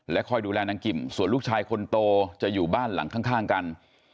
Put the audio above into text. คอยดูแลนางกิมส่วนลูกชายคนโตจะอยู่บ้านหลังข้างกัน